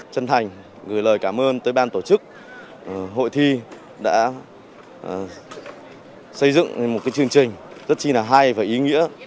chân thành gửi lời cảm ơn tới ban tổ chức hội thi đã xây dựng một chương trình rất là hay và ý nghĩa